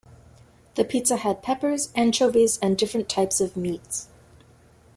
The pizza had peppers, anchovies, and different types of meats.